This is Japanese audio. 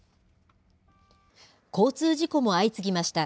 交通事故も相次ぎました。